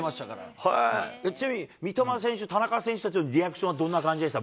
ちなみに、三笘選手、田中選手たちのリアクションはどんな感じでした？